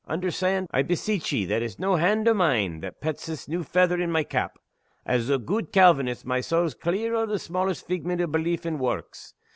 Understand, I beseech ye, that it's no hand o' mine that pets this new feather in my cap. As a gude Calvinist, my saul's clear o' the smallest figment o' belief in Warks.